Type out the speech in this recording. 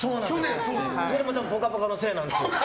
これも「ぽかぽか」のせいなんですよ。